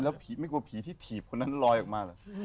ผีไม่กลัวผีที่ถีบคนนั้นลอยออกมาเหรอ